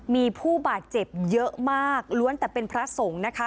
มีผู้บาดเจ็บเยอะมากล้วนแต่เป็นพระสงฆ์นะคะ